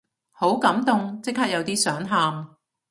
好感動，即刻有啲想喊